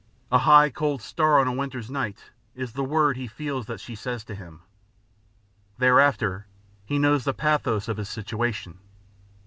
A high cold star on a winter's night is the word he feels that she says to him. Thereafter he knows the pathos of his situation.